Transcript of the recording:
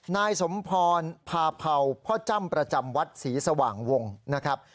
นายสมพรพาเภาพ่อจ้ำประจำวัดศรีสว่างวงนะครับ